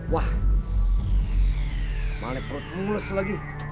wah malah perut mulus lagi